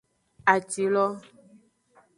Atilo.